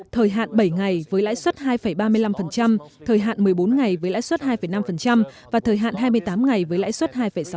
thời hạn bảy ngày với lãi suất hai ba mươi năm thời hạn một mươi bốn ngày với lãi suất hai năm và thời hạn hai mươi tám ngày với lãi suất hai sáu